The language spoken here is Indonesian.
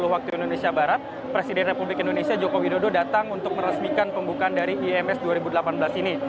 waktu indonesia barat presiden republik indonesia joko widodo datang untuk meresmikan pembukaan dari ims dua ribu delapan belas ini